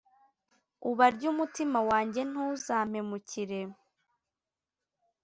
uba ry’umutima wanjye ntuza mpemukire